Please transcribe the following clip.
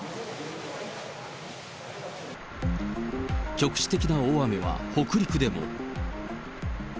局地的な大雨は北陸でも。